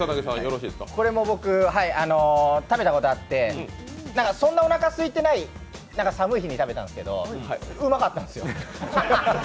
これ、僕、食べたことあって、そんなにおなかすいてない寒い日に食べたんですけどうまかったんですよ。